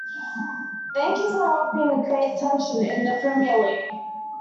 Thank you for helping to create tension in the Premier League!